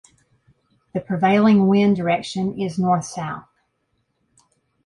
The prevailing wind direction is North-South.